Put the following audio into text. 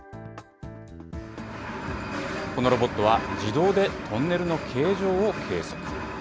このロボットは、自動でトンネルの形状を計測。